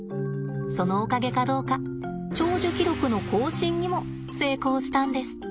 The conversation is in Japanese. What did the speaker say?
そのおかげかどうか長寿記録の更新にも成功したんですって。